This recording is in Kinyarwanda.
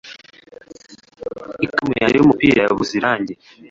Ikaramu yanjye yumupira yabuze irangi